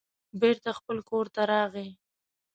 بېرته خپل کور ته راغی.